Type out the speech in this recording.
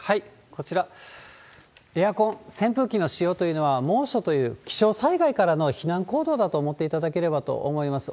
こちら、エアコン、扇風機の使用というのは、猛暑という気象災害からの避難行動だと思っていただければと思います。